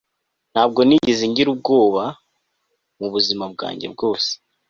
Ntabwo nigeze ngira ubwoba mubuzima bwanjye bwose